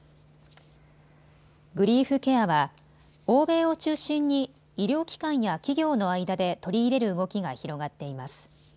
グリーフケアは欧米を中心に医療機関や企業の間で取り入れる動きが広がっています。